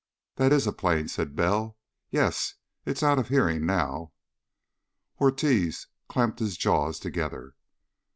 "That is a plane," said Bell. "Yes, It's out of hearing now." Ortiz clamped his jaws together.